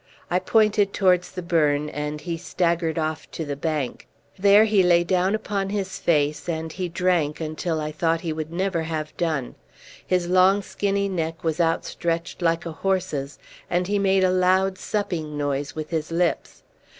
I pointed towards the burn, and he staggered off to the bank. There he lay down upon his face, and he drank until I thought he would never have done. His long skinny neck was outstretched like a horse's, and he made a loud supping noise with his lips.